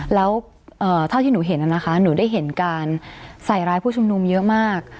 แล้วเท่าที่หนูเห็นนะคะหนูได้เห็นการใส่ร้ายผู้ชุมนุมเยอะมาก